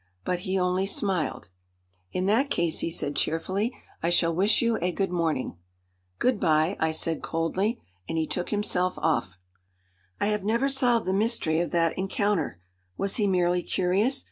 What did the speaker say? But he only smiled. "In that case," he said cheerfully, "I shall wish you a good morning." "Good bye," I said coldly. And he took himself off. I have never solved the mystery of that encounter. Was he merely curious?